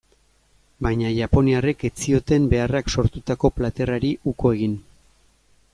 Baina japoniarrek ez zioten beharrak sortutako plater hari uko egin.